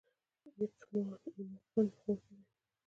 ایماقان په غور کې دي؟